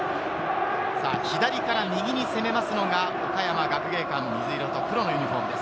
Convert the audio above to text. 左から右に攻めますのが岡山学芸館、水色と黒のユニホームです。